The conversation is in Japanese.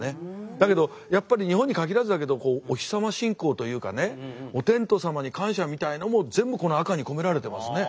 だけどやっぱり日本に限らずだけどお日様信仰というかねお天道様に感謝みたいのも全部この赤に込められてますね。